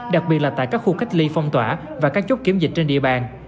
đặc biệt là tại các khu cách ly phong tỏa và các chốt kiểm dịch trên địa bàn